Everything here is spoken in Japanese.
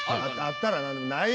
あったらな。